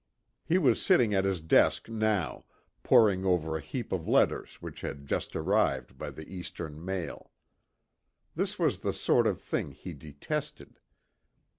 He was sitting at his desk now, poring over a heap of letters which had just arrived by the Eastern mail. This was the sort of thing he detested.